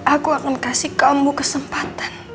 aku akan kasih kamu kesempatan